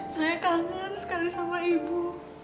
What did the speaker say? saya kangen sekali sama ibu